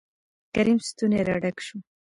کريم ستونى را ډک شو.